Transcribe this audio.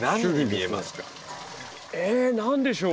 え何でしょう？